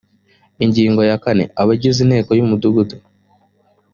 ingingo ya kane abagize inteko y umudugudu